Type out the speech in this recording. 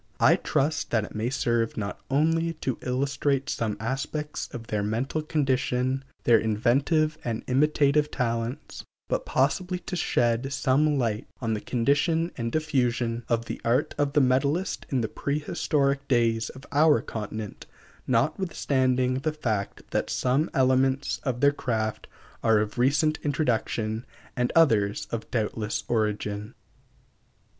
I trust that it may serve not only to illustrate some aspects of their mental condition, their inventive and imitative talents, but possibly to shed some light on the condition and diffusion of the art of the metalist in the prehistoric days of our continent, notwithstanding the fact that some elements of their craft are of recent introduction and others of doubtful origin.